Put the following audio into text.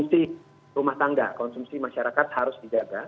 konsumsi rumah tangga konsumsi masyarakat harus dijaga